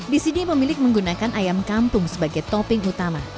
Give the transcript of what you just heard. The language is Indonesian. di sini pemilik menggunakan ayam kampung sebagai topping utama